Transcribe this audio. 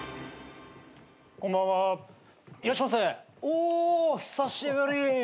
お久しぶり。